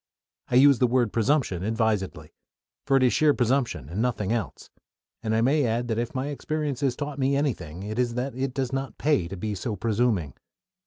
I use the word "presumption" advisedly; for it is sheer presumption and nothing else, and I may add that if my experience has taught me anything, it is that it does not pay to be so presuming.